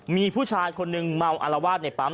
มีผู้ชายคนหนึ่งเมาอารวาสในปั๊ม